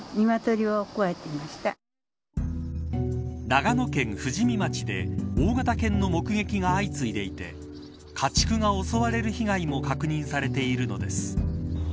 長野県富士見町で大型犬の目撃が相次いでいて家畜が襲われる被害も確認されているのです。